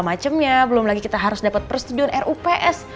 macemnya belum lagi kita harus dapet persetujuan rups